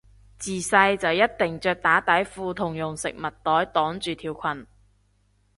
自細就一定着打底褲同用食物袋擋住條裙